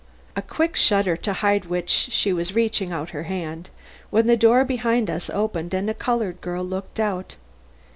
A quick shudder to hide which she was reaching out her hand, when the door behind us opened and a colored girl looked out.